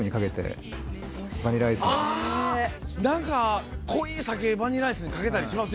何か濃い酒バニラアイスにかけたりしますよね！